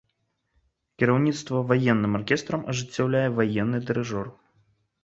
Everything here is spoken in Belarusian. Кіраўніцтва ваенным аркестрам ажыццяўляе ваенны дырыжор.